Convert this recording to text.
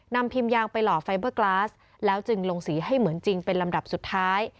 นำพิมพ์ยางไปหล่อไฟเบอร์กลาสแล้วจึงลงสีให้เหมือนจริงเป็นลำดับสุดท้าย